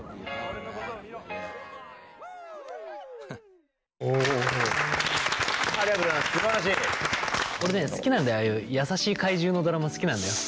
俺ね好きなんだよああいう優しい怪獣のドラマ好きなんだよ。